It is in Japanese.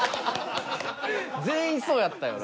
全員そうやったよな。